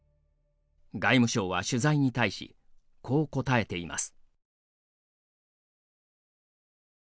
外務省は取材に対しこう答えています。